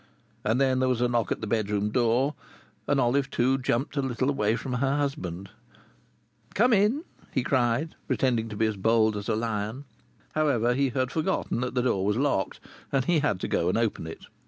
And then there was a knock at the bedroom door, and Olive Two jumped a little away from her husband. "Come in," he cried, pretending to be as bold as a lion. However, he had forgotten that the door was locked, and he had to go and open it.